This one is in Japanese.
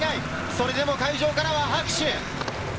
それでも会場からは拍手。